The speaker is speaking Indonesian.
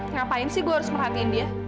ngapain sih gue harus merhatiin dia